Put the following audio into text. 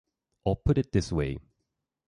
Or put it this way.